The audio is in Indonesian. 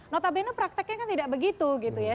notabene prakteknya kan tidak begitu gitu ya